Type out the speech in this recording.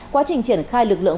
quá trình triển khai lực lượng